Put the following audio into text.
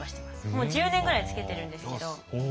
もう１０年ぐらいつけてるんですけど。